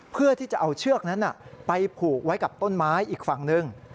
เพื่อที่จะเอาเชือกนั้นไปผูกไว้กับต้นไม้อีกฝั่งหนึ่ง